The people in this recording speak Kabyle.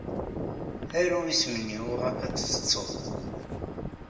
Aru isem-nni uɣaf ad t-tettud.